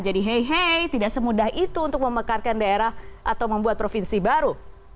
jadi hei hei tidak semudah itu untuk memekarkan daerah atau membuat provinsi baru